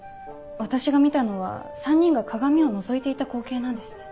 私が見たのは３人が鏡をのぞいていた光景なんですね。